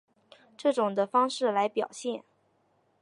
这种的方式来表示。